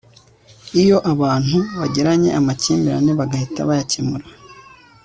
iyo abantu bagiranye amakimbirane bagahita bayakemura